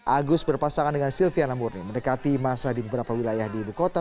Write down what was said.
agus berpasangan dengan silviana murni mendekati masa di beberapa wilayah di ibu kota